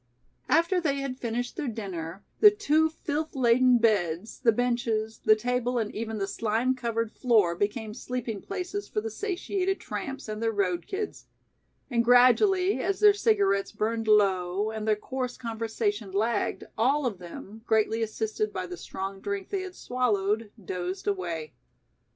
After they had finished their dinner the two filth laden beds, the benches, the table and even the slime covered floor became sleeping places for the satiated tramps and their road kids, and gradually as their cigarettes burned low and their coarse conversation lagged, all of them, greatly assisted by the strong drink they had swallowed, dozed away.